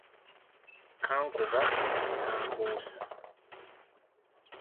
Kankuba ne kambuusa.